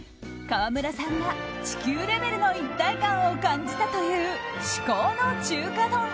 川村さんが、地球レベルの一体感を感じたという至高の中華丼。